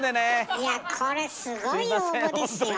いやこれすごい応募ですよ。